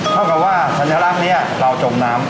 เท่ากับว่าสัญลักษณ์นี้เราจมน้ำ